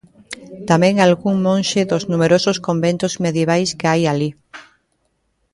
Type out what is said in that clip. Tamén algún monxe dos numerosos conventos medievais que hai alí.